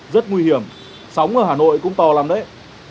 rất nguy hiểm sóng ở hà nội cũng to lắm đấy